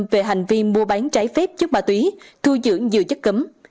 về hành vi mua bán trái phép chất ma túy thu dưỡng nhiều chất cấm